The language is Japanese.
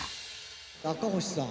赤星さん